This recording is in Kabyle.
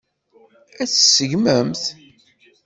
Ad t-tseggmemt?